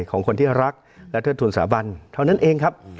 ของคนที่รักและเทิดทุนสาบันเท่านั้นเองครับ